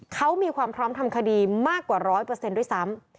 เขามีความพร้อมทำคดีมากกว่าร้อยเปอร์เซ็นต์ด้วยซ้ำ